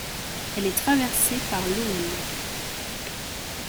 Elle est traversée par l'Aulne.